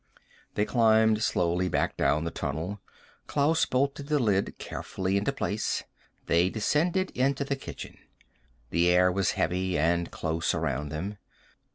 They climbed slowly back down the tunnel. Klaus bolted the lid carefully into place. They descended into the kitchen. The air was heavy and close around them.